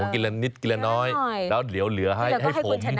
กินนิดกินน้อยแล้วเหลือให้ผม